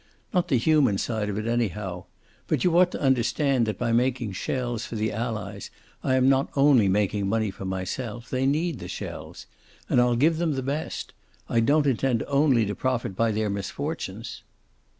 Not the human side of it, anyhow. But you ought to understand that by making shells for the Allies, I am not only making money for myself; they need the shells. And I'll give them the best. I don't intend only to profit by their misfortunes."